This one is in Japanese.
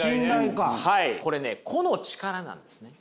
これね個の力なんですね。